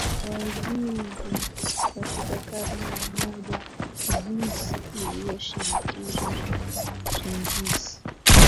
Waiguri Katika karne ya moja Oghuz iliyoshinikizwa na Kirghiz